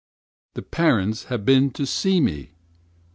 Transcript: The parents have been to see me.